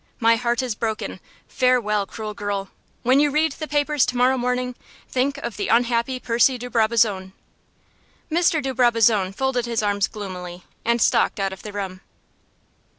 My heart is broken. Farewell, cruel girl. When you read the papers tomorrow morning, think of the unhappy Percy de Brabazon!" Mr. de Brabazon folded his arms gloomily, and stalked out of the room.